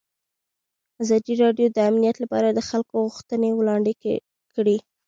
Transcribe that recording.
ازادي راډیو د امنیت لپاره د خلکو غوښتنې وړاندې کړي.